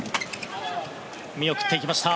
見送っていきました。